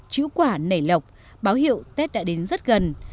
chữ quả nảy lọc báo hiệu tết đã đến rất gần